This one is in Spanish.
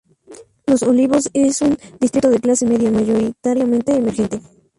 Los Olivos es un distrito de clase media, mayoritariamente emergente.